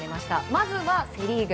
まずはセ・リーグ。